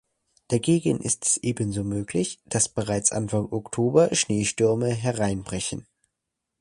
Dagegen ist es ebenso möglich, dass bereits Anfang Oktober Schneestürme hereinbrechen.